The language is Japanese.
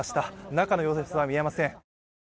中の様子は見えません。